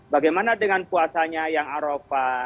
bagaimana dengan puasanya yang arafah